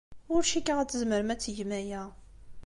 Ur cikkeɣ ad tzemrem ad tgem aya.